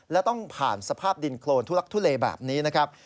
และต้องผ่านสภาพดินโครนทุลักทุเลแบบนี้นะครับ